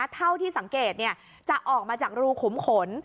เท่าที่สังเกตจะออกมาจากรูขุมขน